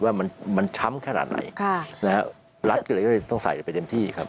ว่ามันมันช้ำขนาดไหนรัฐก็เลยต้องใส่ไปเต็มที่ครับ